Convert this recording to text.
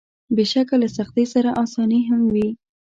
بېشکه له سختۍ سره اساني هم وي.